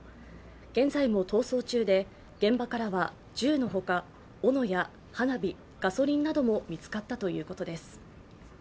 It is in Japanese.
現在も逃走中で現場からは銃のほかおのや花火、ガソリンなども見つかったということです。